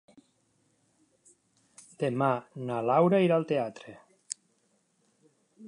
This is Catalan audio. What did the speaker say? Demà na Laura irà al teatre.